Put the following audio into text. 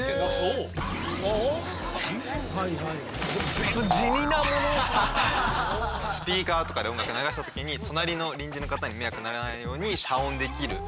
随分スピーカーとかで音楽流した時に隣の隣人の方に迷惑にならないように遮音できるパネル。